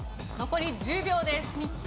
残り１０秒です。